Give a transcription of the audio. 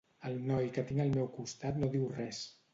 El noi que tinc al meu costat no diu res.